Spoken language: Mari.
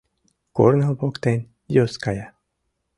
Корно воктен йос кая.